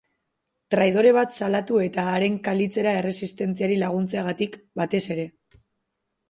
Traidore bat salatu eta haren kalitzera erresistentziari laguntzeagatik, batez ere.